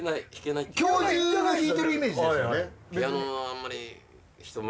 教授が弾いてるイメージですよね。